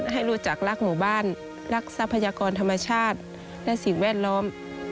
ให้รู้จักรักหมู่บ้านรักทรัพยากรธรรมชาติและสิ่งแวดล้อม